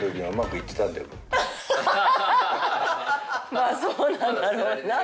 まぁそうなんだろうな。